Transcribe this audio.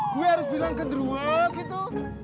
gue harus bilang ke drew gitu